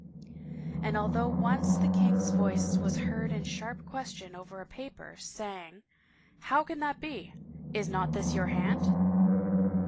And although once the king's voice was heard in sharp question over a paper, saying, " How can that be ? Is not this your hand?"